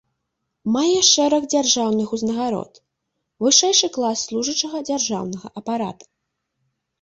Мае шэраг дзяржаўных узнагарод, вышэйшы клас служачага дзяржаўнага апарата.